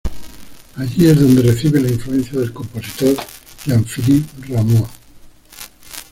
Allí es donde recibe la influencia del compositor Jean-Philippe Rameau.